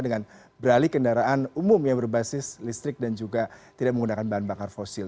dengan beralih kendaraan umum yang berbasis listrik dan juga tidak menggunakan bahan bakar fosil